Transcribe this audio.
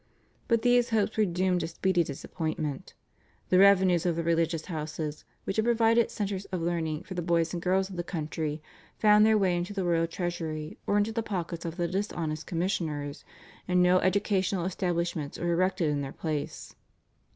But these hopes were doomed to speedy disappointment. The revenues of the religious houses, which had provided centres of learning for the boys and girls of the country, found their way into the royal treasury or into the pockets of the dishonest commissioners, and no educational establishments were erected in their place.